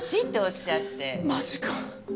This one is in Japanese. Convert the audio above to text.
マジか。